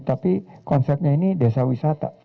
tapi konsepnya ini desa wisata